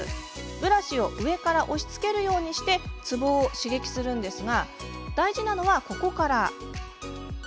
ブラシを上から押しつけるようにしてつぼを刺激するんですが大事なのは、ここから。